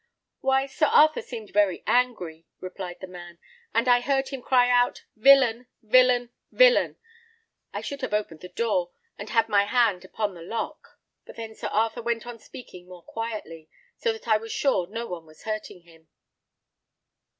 "Why, Sir Arthur seemed very angry," replied the man; "and I heard him cry out, 'Villain, villain, villain!' I should have opened the door, and had my hand upon the lock, but then Sir Arthur went on speaking more quietly, so that I was sure no one was hurting him."